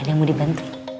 ada yang mau dibantuin